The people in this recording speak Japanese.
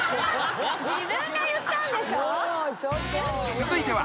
［続いては］